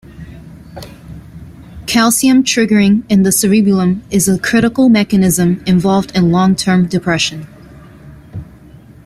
Calcium triggering in the cerebellum is a critical mechanism involved in long-term depression.